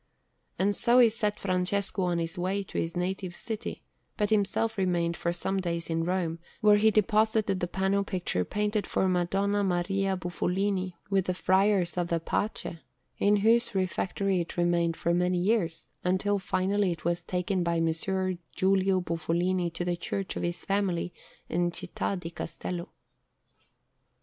And so he set Francesco on his way to his native city, but himself remained for some days in Rome, where he deposited the panel picture painted for Madonna Maria Bufolini with the Friars of the Pace, in whose refectory it remained for many years, until finally it was taken by Messer Giulio Bufolini to the church of his family in Città di Castello.